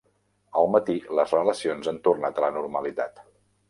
Al matí, les relacions han tornat a la normalitat.